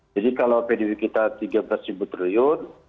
jadi kalau pdb kita tiga belas triliun